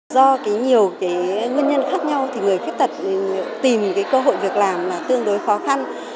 do nhiều nguyên nhân khác nhau thì người khuyết tật tìm cơ hội việc làm tương đối khó khăn